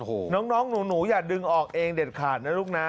โอ้โหน้องหนูอย่าดึงออกเองเด็ดขาดนะลูกนะ